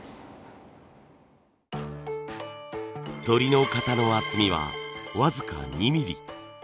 とりの型の厚みは僅か２ミリ。